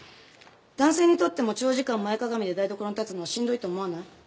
男性にとっても長時間前かがみで台所に立つのはしんどいと思わない？